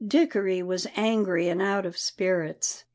Dickory was angry and out of spirits.